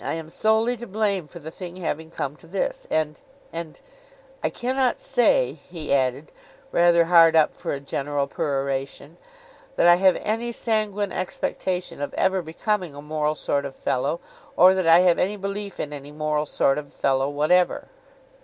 I am solely to blame for the thing having come to this—and—and, I cannot say,' he added, rather hard up for a general peroration, 'that I have any sanguine expectation of ever becoming a moral sort of fellow, or that I have any belief in any moral sort of fellow whatever.